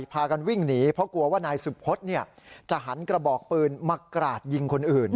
พากันวิ่งหนีเพราะกลัวว่านายสุพธจะหันกระบอกปืนมากราดยิงคนอื่น